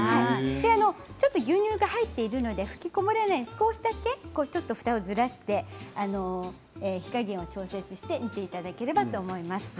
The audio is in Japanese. ちょっと牛乳が入っているので噴きこぼれないように少しだけふたをずらして火加減を調節していただければいいと思います。